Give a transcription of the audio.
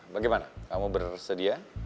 bagaimana kamu bersedia